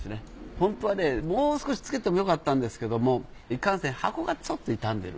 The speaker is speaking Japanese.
ホントはねもう少しつけてもよかったんですけれどもいかんせん箱がちょっと傷んでいる。